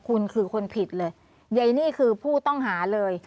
คุณคือคนผิดเลยใยนี่คือผู้ต้องหาเลย